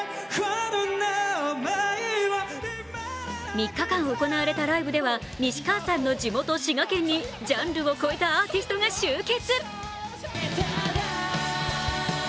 ３日間行われたライブでは西川さんの地元滋賀県にジャンルを超えたアーティストが集結。